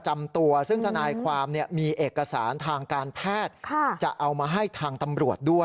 ไม่เคยเจอสอบปากคำ